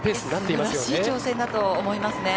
素晴らしい挑戦だと思いますね。